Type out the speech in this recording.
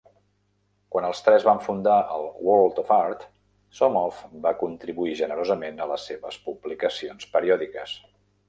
Quan els tres van fundar el 'World of Art', Somov va contribuir generosament a les seves publicacions periòdiques.